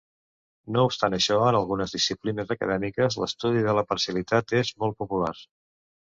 No obstant això, en algunes disciplines acadèmiques, l'estudi de la parcialitat és molt popular.